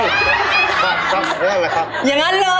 ทำตัวหนึ่งเลยครับ